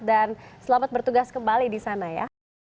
dan selamat bertugas kembali di sana ya